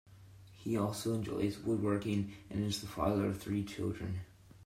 He also enjoys woodworking and is the father of three children.